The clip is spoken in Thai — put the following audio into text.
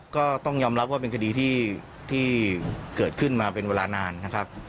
ก็ต้องยอมรับว่าเป็นคดีที่เกิดขึ้นมาเป็นเวลานานนะครับ